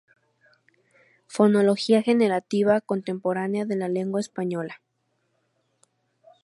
Fonología generativa contemporánea de la lengua española".